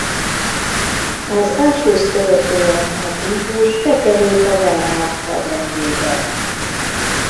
Az Anschlusst követően a típus bekerült a Wehrmacht hadrendjébe.